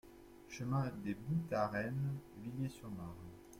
Chemin des Boutareines, Villiers-sur-Marne